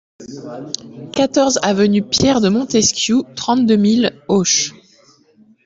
quatorze avenue Pierre de Montesquiou, trente-deux mille Auch